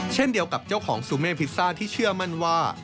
เช่นเดียวกับเจ้าของซูเม่พิซซ่าที่เชื่อมั่นว่า